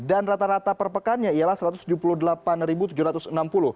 dan rata rata perpekannya ialah rp satu ratus tujuh puluh delapan tujuh ratus enam puluh